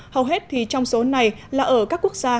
hầu hết thì trong số này là ở các quốc gia